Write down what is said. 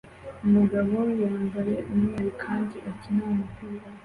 Umugabo yambaye umweru kandi akina umupira